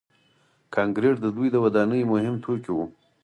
کانکریټ د دوی د ودانیو مهم توکي وو.